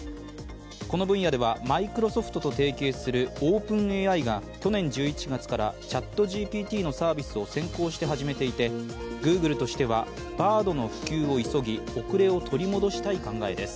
この分野ではマイクロソフトと提携するオープンＡＩが去年１１月からＣｈａｔＧＰＴのサービスを先行して始めていてＧｏｏｇｌｅとしては、Ｂａｒｄの普及を急ぎ、遅れを取り戻したい考えです